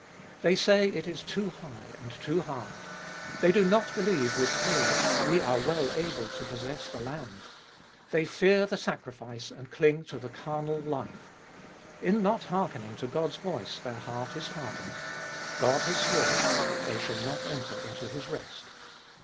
They say it is too high and too hard. They do not believe with Caleb, " We are well able to possess the land "; they fear the sacrifice and cling to the carnal life ; in not hearkening to God's voice their heart is hardened. God has sworn, they shall not enter into His rest.